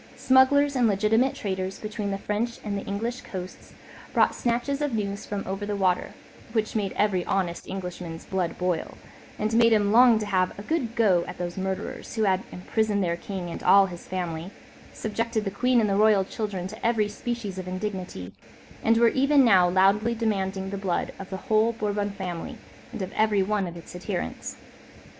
Smugglers and legitimate traders between the French and English coasts brought snatches of news from over the water, which made every honest Englishman's blood boil, and made him long to have "a good go" at those murderers, who had imprisoned their king and all his family, subjected the queen and the royal children to every species of indignity, and were even now loudly demanding the blood of the whole Bourbon family and of every one of its adherents.